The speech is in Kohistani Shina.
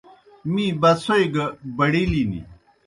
می بَڅَھوئی گہ بڑِلِن۔